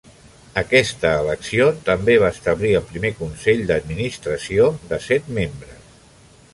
Aquesta elecció també va establir el primer consell d'administració de set membres.